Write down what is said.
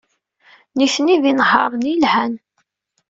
Nitni d inehhaṛen yelhan.